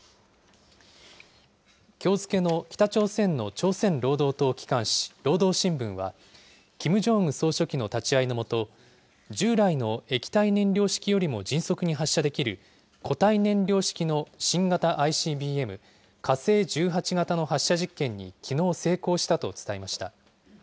きょう付けの北朝鮮の朝鮮労働党機関紙、労働新聞は、キム・ジョンウン総書記の立ち会いの下、従来の液体燃料式よりも迅速に発射できる、固体燃料式の新型ＩＣＢＭ、火星１８型の発射実験にきのう成功したと伝えました。